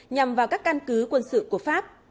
nhằm vào các căn cứ quân sự của pháp